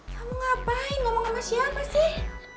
kamu ngapain kamu ngamas siapa sih